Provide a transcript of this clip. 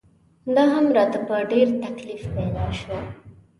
دا هم راته په ډېر تکلیف پیدا شو.